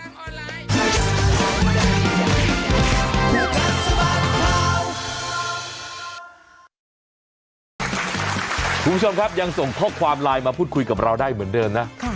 คุณผู้ชมครับยังส่งข้อความไลน์มาพูดคุยกับเราได้เหมือนเดิมนะ